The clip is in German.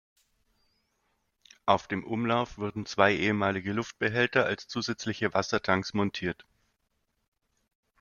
Auf dem Umlauf wurden zwei ehemalige Luftbehälter als zusätzliche Wassertanks montiert.